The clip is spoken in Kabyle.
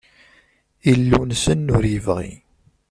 Illu-nsen ur yebɣi.